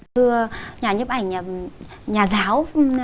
nhà nhiệm ảnh nhà giáo